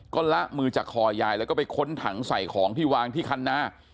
ก็ละมือจากคอยายแล้วก็ไปค้นถังใส่ของที่วางที่คันหน้า